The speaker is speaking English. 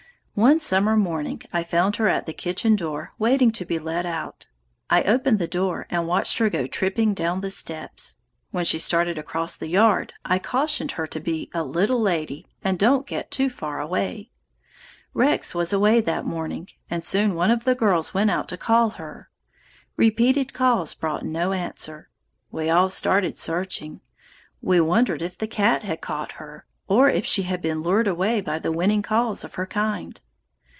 "One summer morning I found her at the kitchen door waiting to be let out. I opened the door and watched her go tripping down the steps. When she started across the yard I cautioned her to 'be a little lady, and don't get too far away.' Rex was away that morning, and soon one of the girls went out to call her. Repeated calls brought no answer. We all started searching. We wondered if the cat had caught her, or if she had been lured away by the winning calls of her kind.